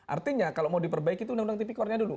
artinya kalau mau diperbaiki itu undang undang tipikornya dulu